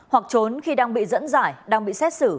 hoặc trốn khi đang bị dẫn giải